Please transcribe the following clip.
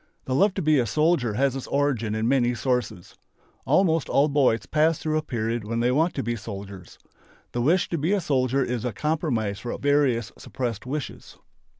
The love to be a soldier has its origin in many sources. Almost all boys pass through a period when they want to be soldiers. The wish to be a soldier is a compromise for various suppressed wishes.